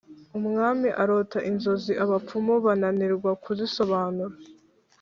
Umwami arota inzozi abapfumu bananirwa kuzisobanura